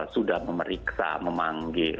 sudah memeriksa memanggil